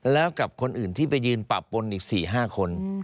แล้วกับคนอื่นที่ไปยืนปะปนอีก๔๕คน